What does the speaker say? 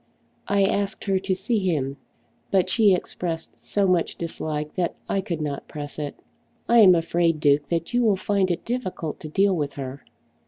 "I asked her to see him, but she expressed so much dislike that I could not press it. I am afraid, Duke, that you will find it difficult to deal with her."